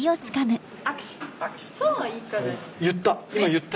言った。